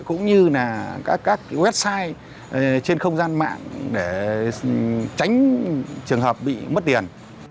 cũng như là các website trên không gian mạng để tránh trường hợp bị mất tiền